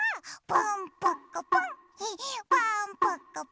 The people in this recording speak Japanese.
ポンポコポン！